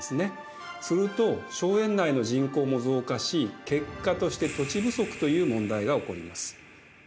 すると荘園内の人口も増加し結果として土地不足という問題が起こります。